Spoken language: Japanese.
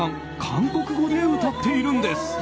韓国語で歌っているんです。